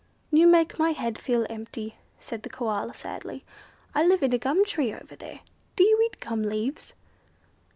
"You make my head feel empty," said the Koala, sadly. "I live in the gum tree over there. Do you eat gum leaves?"